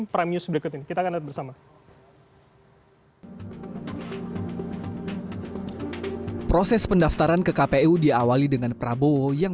prime news berikut ini kita akan lihat bersama proses pendaftaran ke kpu diawali dengan prabowo yang